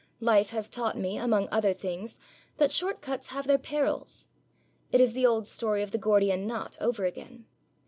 Life has taught me, among other things, that short cuts have their perils. It is the old story of the Gordian knot over again.